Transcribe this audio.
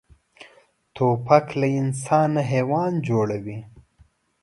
توپک له انسان نه حیوان جوړوي.